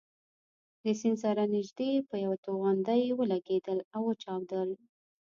له سیند سره نژدې یوه توغندۍ ولګېدل او وچاودل.